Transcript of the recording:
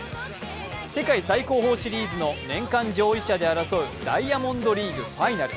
世界最高峰シリーズの年間上位者で争うダイヤモンドリーグファイナル。